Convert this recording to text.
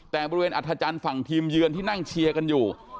แต่บริเวณอัธจันทร์ฝั่งทีมเยือนที่นั่งเชียร์กันอยู่